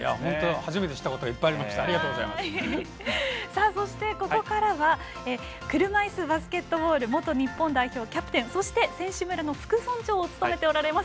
初めて知ったことがそして、ここからは車いすバスケットボール元日本代表キャプテンそして選手村の副村長を務めていらっしゃいます